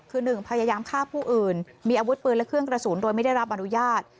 คือ๑พยายามฆ่าผู้อื่นมีอาวุธปืนและเครื่องกระสุนโดยไม่ได้รับอนุญาต